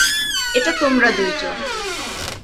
এটা তোমরা দুইজন।